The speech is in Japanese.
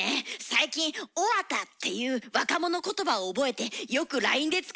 最近「オワタ」っていう若者ことばを覚えてよくＬＩＮＥで使ってるんだよね。